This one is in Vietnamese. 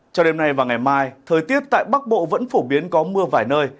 cho đêm nay và ngày mai thời tiết tại bắc bộ vẫn phổ biến có mưa vài nơi